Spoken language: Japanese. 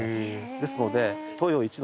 ですので。